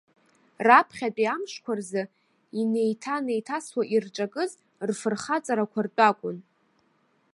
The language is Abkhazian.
Раԥхьатәи амшқәа рзы, инеиҭанеиҭасуа ирҿакыз, рфырхаҵарақәа ртәы акәын.